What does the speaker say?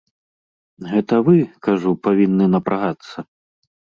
Гэта вы, кажу, павінны напрагацца.